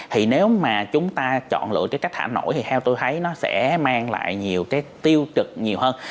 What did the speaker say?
thì nếu mà chúng ta chọn lựa cái cách thả nổi thì theo tôi thấy nó sẽ mang lại nhiều cái tiêu cực nhiều hơn